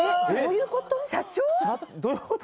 どういうこと？